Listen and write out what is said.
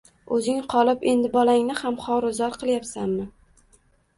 O‘zing qolib endi bolangni ham xoru-zor qilyapsanmi?